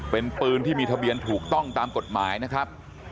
เป็นปืนที่มีทะเบียนถูกต้องตามกฎหมายนะครับ